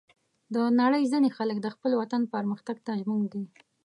د نړۍ ځینې خلک د خپل وطن پرمختګ ته ژمن دي.